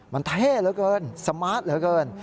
มันเท่เหลือเกินสมาร์ทเหลือเกิน